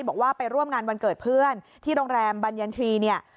บอกว่าไปร่วมงานวันเกิดเพื่อนที่โรงแรมบรรยันทรีย์เนี่ย